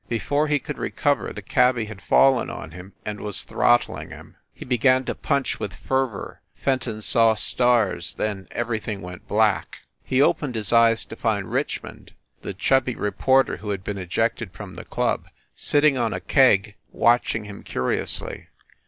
Before he could recover the cabby had fallen on him, and was throttling him. He began to punch with fervor. Fenton saw stars, then every thing went black. 5} He opened his eyes to find Richmond, the chubby reporter who had been ejected from the club, sitting on a keg, watching him curiously.